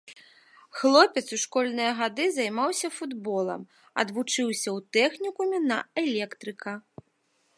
Хлопец у школьныя гады займаўся футболам, адвучыўся ў тэхнікуме на электрыка.